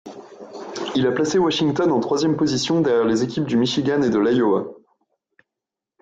Il a placé Washington en troisième position derrière les équipes du Michigan et l'Iowa.